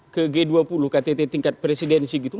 ke g dua puluh ktt tingkat presidensi gitu